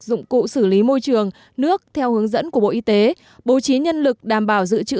dụng cụ xử lý môi trường nước theo hướng dẫn của bộ y tế bố trí nhân lực đảm bảo dự trữ